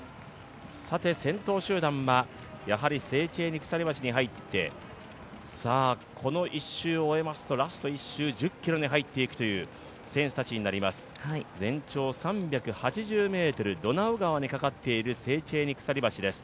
先頭集団はやはりセーチェーニ鎖橋に入って、さあ、この１周を追えますと、ラスト１周１０ｋｍに入っていくという選手たちになります全長３８０ｍドナウ川に架かっているセーチェーニ鎖橋です。